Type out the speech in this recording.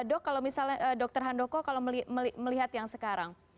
dok kalau misalnya dr nandoko kalau melihat yang sekarang